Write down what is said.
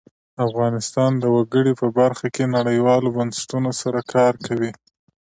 افغانستان د وګړي په برخه کې نړیوالو بنسټونو سره کار کوي.